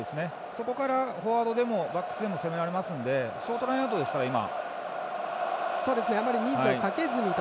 そこからフォワードでもバックスでも攻められますのでショートラインアウトですから今。